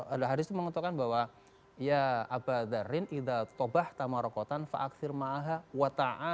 ada hadis itu mengatakan bahwa